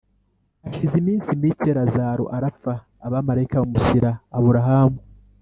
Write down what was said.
Hashize iminsi mike razalo arapfa abamarayika bamushyira Aburahamu